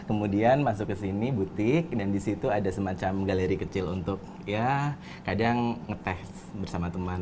kemudian masuk ke sini butik dan di situ ada semacam galeri kecil untuk kadang ngetes bersama teman